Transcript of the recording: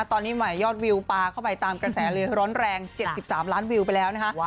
ตอนนี้ใหม่ยอดวิวปลาเข้าไปตามกระแสเลยร้อนแรง๗๓ล้านวิวไปแล้วนะคะ